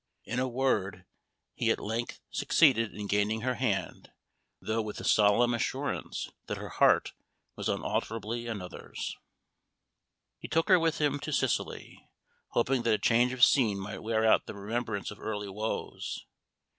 In a word, he at length succeeded in gaining her hand, though with the solemn assurance, that her heart was unalterably another's. He took her with him to Sicily, hoping that a change of scene might wear out the remembrance of early woes.